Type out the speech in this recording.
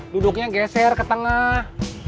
duduknya geser ketengah